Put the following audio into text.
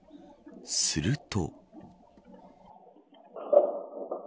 すると。